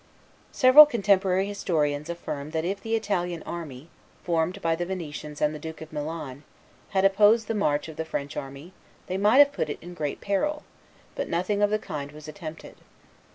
Several contemporary historians affirm that if the Italian army, formed by the Venetians and the Duke of Milan, had opposed the march of the French army, they might have put it in great peril; but nothing of the kind was attempted.